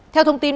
theo thông tin